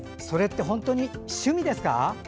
それって本当に趣味ですか？